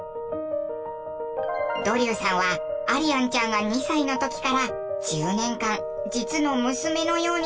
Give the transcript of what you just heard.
ドリューさんはアリアンちゃんが２歳の時から１０年間実の娘のように育ててきたんです。